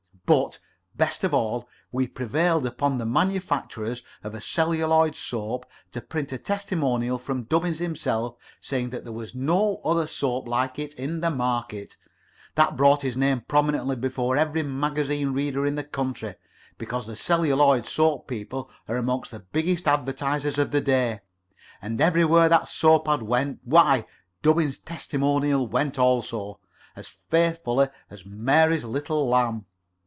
But, best of all, we prevailed upon the manufacturers of celluloid soap to print a testimonial from Dubbins himself, saying that there was no other soap like it in the market. That brought his name prominently before every magazine reader in the country, because the celluloid soap people are among the biggest advertisers of the day, and everywhere that soap ad went, why, Dubbins's testimonial went also, as faithfully as Mary's Little Lamb.